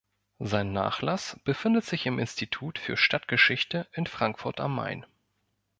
Sein Nachlass befindet sich im Institut für Stadtgeschichte in Frankfurt am Main.